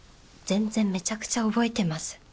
全然めちゃくちゃ覚えてます